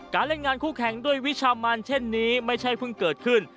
เล่นงานคู่แข่งด้วยวิชามันเช่นนี้ไม่ใช่เพิ่งเกิดขึ้น